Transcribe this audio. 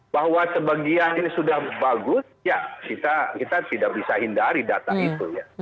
bahwa sebagian ini sudah bagus ya kita tidak bisa hindari data itu ya